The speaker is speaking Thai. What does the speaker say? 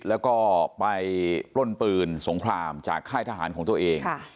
แล้วก็ไปปล้นปืนสงครามจากค่ายทหารของตัวเอง